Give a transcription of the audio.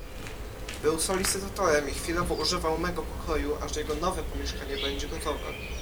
"Był solicytatorem i chwilowo używał mego pokoju, aż jego nowe pomieszkanie będzie gotowe."